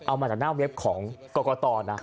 เอามาจากหน้าเว็บของกรกตนะ